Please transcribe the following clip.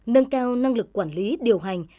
nâng cao năng lực quản lý điều hành